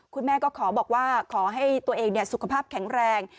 คุณแม่ก็ขอบอกว่าขอให้ตัวเองสุขภาพแข็งแรง